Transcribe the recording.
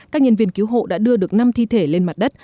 các nhân viên cứu hộ đã đưa được năm thi thể lên mặt đất